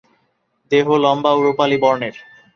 দেহ লম্বা ও রুপালি বর্ণের।